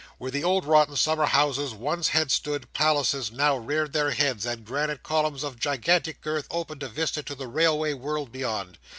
Where the old rotten summer houses once had stood, palaces now reared their heads, and granite columns of gigantic girth opened a vista to the railway world beyond.